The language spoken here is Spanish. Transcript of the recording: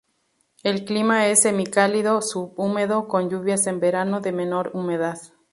El clima es semicálido subhúmedo, con lluvias en verano, de menor humedad.